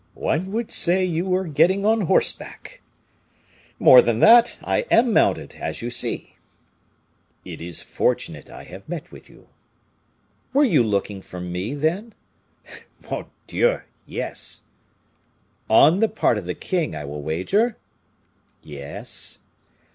"One would say you were getting on horseback." "More than that, I am mounted, as you see." "It is fortunate I have met with you." "Were you looking for me, then?" "Mon Dieu! yes." "On the part of the king, I will wager?" "Yes."